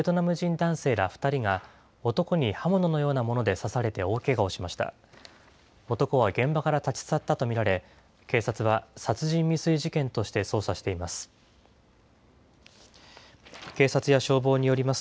男は現場から立ち去ったと見られ、警察は殺人未遂事件として捜査しています。